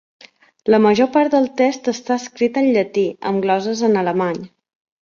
La major part del text està escrit en llatí, amb glosses en alemany.